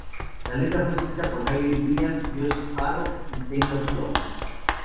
La letra fue escrita por Hayley Williams, Josh Farro y Taylor York.